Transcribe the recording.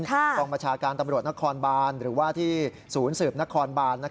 กองบัญชาการตำรวจนครบานหรือว่าที่ศูนย์สืบนครบาน